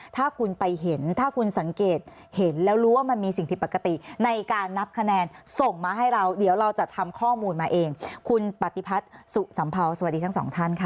ถ้าคุณไปเห็นถ้าคุณสังเกตเห็นแล้วรู้ว่ามันมีสิ่งผิดปกติในการนับคะแนนส่งมาให้เราเดี๋ยวเราจะทำข้อมูลมาเองคุณปฏิพัฒน์สุสัมเภาสวัสดีทั้งสองท่านค่ะ